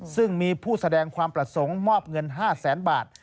ซึ่งมีผู้แสดงความประสงค์มอบเงิน๕แสนบาท